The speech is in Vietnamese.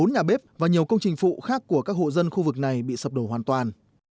bốn nhà bếp và nhiều công trình phụ khác của các hộ dân khu vực này bị sập đổ hoàn toàn